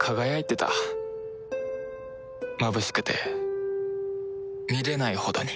まぶしくて見れないほどに。